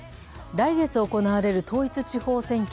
来月行われる統一地方選挙。